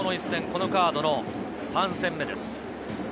このカードの３戦目です。